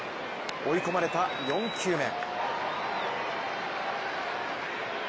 追い込まれた４球目。